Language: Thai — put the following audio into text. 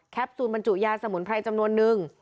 ซูลบรรจุยาสมุนไพรจำนวนนึง